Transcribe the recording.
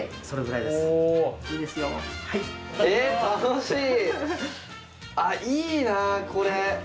いいなこれ。